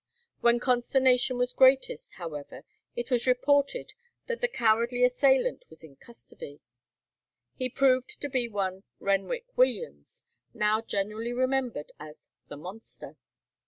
When consternation was greatest, however, it was reported that the cowardly assailant was in custody. He proved to be one Renwick Williams, now generally remembered as "the monster."